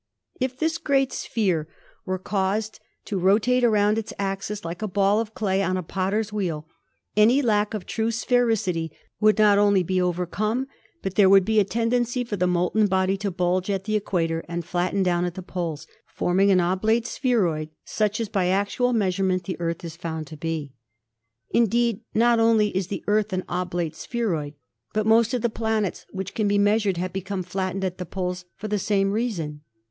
If this great sphere were caused to THE EARTH 153 rotate around an axis, like a ball of clay on a potter's wheel, any lack of true sphericity would not only be over come, but there would be a tendency for the molten body to bulge at the equator and flatten down at the poles, form ing an oblate spheroid such as by actual measurement the Earth is found to be. Indeed, not only is the Earth an oblate spheroid, but most of the planets which can be measured have become flattened at the poles for the same reason.